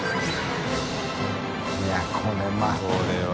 いこれは。